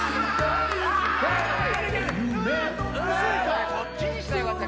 俺こっちにしたらよかった